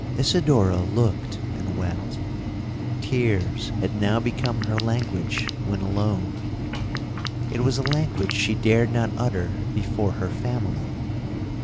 'Isidora looked and wept. Tears had now become her language when alone—it was a language she dared not utter before her family.